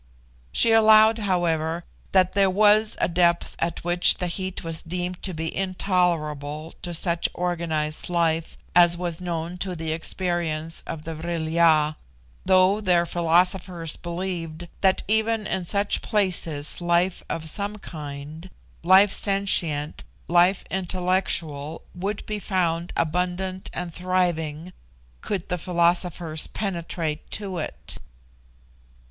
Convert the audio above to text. She allowed, however, that there was a depth at which the heat was deemed to be intolerable to such organised life as was known to the experience of the Vril ya, though their philosophers believed that even in such places life of some kind, life sentient, life intellectual, would be found abundant and thriving, could the philosophers penetrate to it.